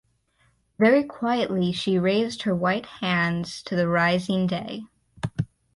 Very quietly, she raised her white hands to the rising day.